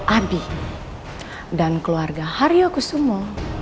abi dan keluarga hariokusumo